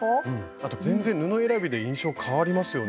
あと全然布選びで印象変わりますよね